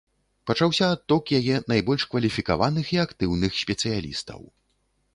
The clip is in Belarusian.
Пачаўся адток яе найбольш кваліфікаваных і актыўных спецыялістаў.